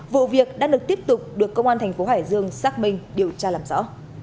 vụ việc đã được tiếp tục được công an thành phố hải dương xác minh điều tra làm rõ